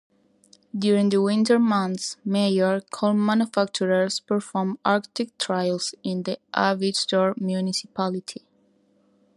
During the winter months, major car-manufacturers perform arctic trials in the Arvidsjaur Municipality.